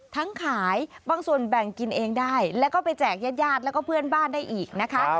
ขายบางส่วนแบ่งกินเองได้แล้วก็ไปแจกญาติญาติแล้วก็เพื่อนบ้านได้อีกนะคะ